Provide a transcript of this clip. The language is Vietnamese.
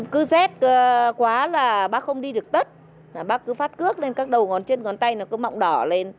cứ rét quá là bác không đi được tất bác cứ phát cước lên các đầu ngón trên ngón tay nó cứ mọng đỏ lên